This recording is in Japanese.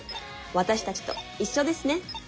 私たちと一緒ですね。